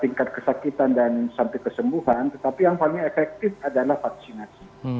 tingkat kesakitan dan sampai kesembuhan tetapi yang paling efektif adalah vaksinasi